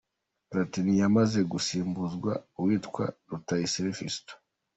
Platini yamaze gusimbuzwa uwitwa Rutayisire Fiston.